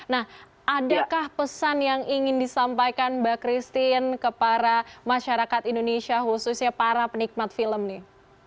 nah adakah pesan yang ingin disampaikan mbak christine ke para masyarakat indonesia khususnya para penikmat film nih